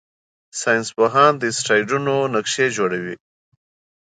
ساینسپوهان د اسټروېډونو نقشې جوړوي.